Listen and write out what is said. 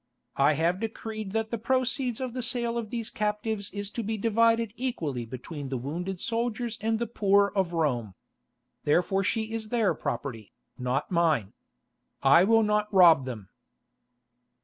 I have decreed that the proceeds of the sale of these captives is to be divided equally between the wounded soldiers and the poor of Rome. Therefore she is their property, not mine. I will not rob them."